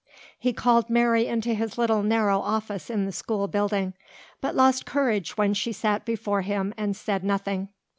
He called Mary into his little narrow office in the school building, but lost courage when she sat before him, and said nothing.